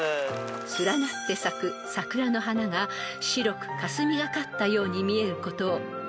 ［連なって咲く桜の花が白くかすみがかったように見えることを］